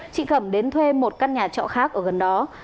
chị cẩm đến thuê một căn nhà trọ khác ở gần đó